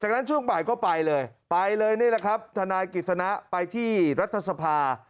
จากนั้นช่วงบ่ายก็ไปเลยไปเลยนี่แหละครับทนายกิจสนะไปที่รัฐสภา